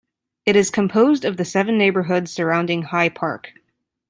It is composed of the seven neighbourhoods surrounding High Park.